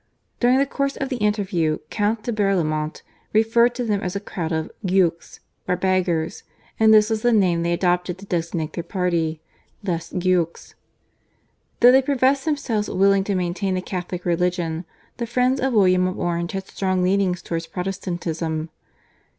During the course of the interview Count de Berlaymont referred to them as a crowd of "gueux" or beggars, and this was the name they adopted to designate their party (/Les Gueux/). Though they professed themselves willing to maintain the Catholic religion the friends of William of Orange had strong leanings towards Protestantism.